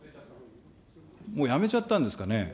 もうやめちゃったんですかね。